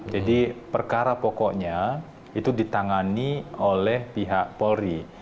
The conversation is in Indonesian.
jadi perkara pokoknya itu ditangani oleh pihak polri